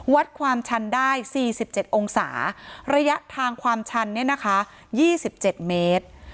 วัดความชันได้๔๗องศาระยะทางความชันเนี่ยนะคะ๒๗เมตร